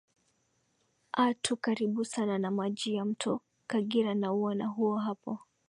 a tu karibu sana na maji ya mto kagira nauona huo hapo